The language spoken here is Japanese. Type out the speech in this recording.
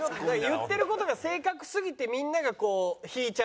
言ってる事が正確すぎてみんながこう。